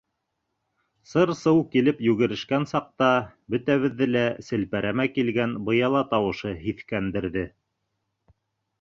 Сыр-сыу килеп йүгерешкән саҡта бөтәбеҙҙе лә селпәрәмә килгән быяла тауышы һиҫкәндерҙе.